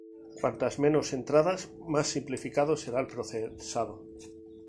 Cuantas menos entradas más simplificado será el procesado.